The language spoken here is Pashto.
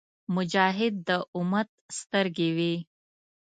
مجاهد د امت سترګې وي.